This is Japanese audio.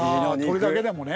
鳥だけでもね。